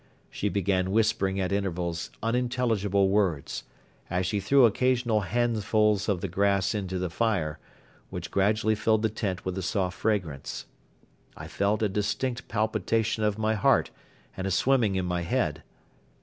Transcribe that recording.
She began whispering at intervals unintelligible words, as she threw occasional handfuls of the grass into the fire, which gradually filled the tent with a soft fragrance. I felt a distinct palpitation of my heart and a swimming in my head.